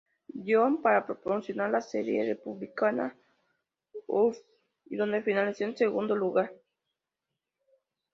John para promocionar la serie "Republic of Doyle" y donde finalizó en segundo lugar.